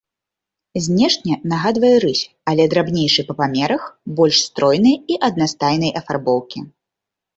Знешне нагадвае рысь, але драбнейшы па памерах, больш стройны і аднастайнай афарбоўкі.